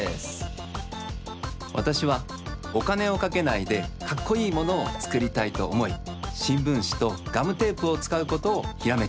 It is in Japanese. わたしはおかねをかけないでかっこいいものをつくりたいとおもいしんぶんしとガムテープをつかうことをひらめきました。